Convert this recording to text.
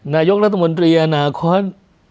นายกรัฐมนตรีอนาคต